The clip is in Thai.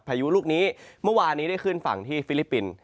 พายุลูกนี้เมื่อวานนี้ได้ขึ้นฝั่งที่ฟิลิปปินส์